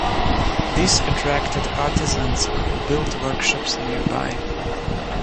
This attracted artisans who built workshops nearby.